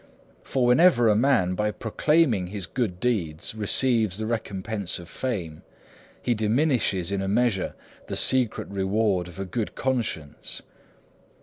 For whenever a man by proclaiming his good deeds receives the recompense of fame, he diminishes in a measure the secret reward of a good conscience.